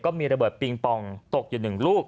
มีระเบิดปิงปองตกอยู่๑ลูก